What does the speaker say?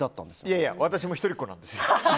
いやいや私も一人っ子なんです。